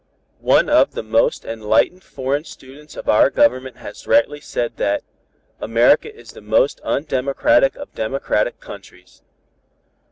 One of the most enlightened foreign students of our Government has rightly said that _'America is the most undemocratic of democratic countries.'